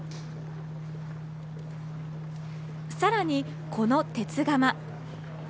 さらに、この鉄釜。